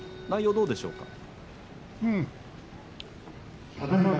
内容はどうでしょうか。